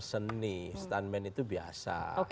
seni stuntman itu biasa